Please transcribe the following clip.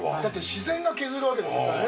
自然が削るわけですもんね。